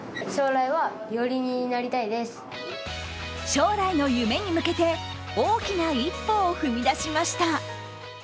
将来の夢に向けて大きな一歩を踏み出しました。